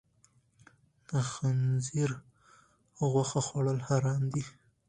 د خنزیر غوښه خوړل حرام دي.